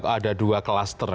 ada dua klaster